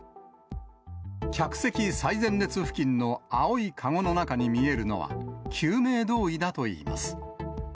客席最前列付近の青い籠の中に見えるのは、救命胴衣だといいます。